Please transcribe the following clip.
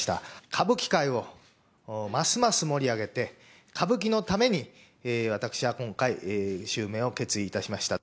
歌舞伎界をますます盛り上げて、歌舞伎のために、私は今回、襲名を決意いたしました。